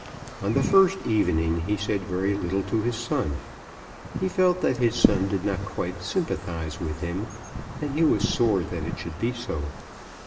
On the first evening he said very little to his son. He felt that his son did not quite sympathise with him, and he was sore that it should be so.